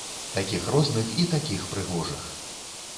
Такіх розных і такіх прыгожых.